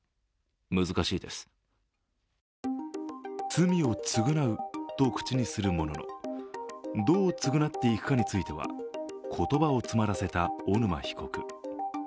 罪を償うと口にするもののどう償っていくかについては言葉を詰まらせた小沼被告。